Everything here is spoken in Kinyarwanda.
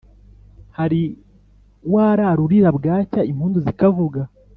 hari warara urira bwacya impundu zikavuga